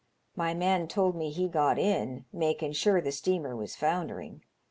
My man told me he got in, makin' sure the steamer was foundering.